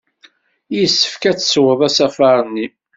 Yessefk ad teswed asafar-nni!